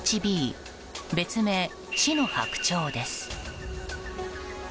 別名、死の白鳥です。